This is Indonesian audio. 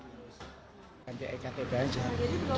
iktp nya sudah belum jadi apa ya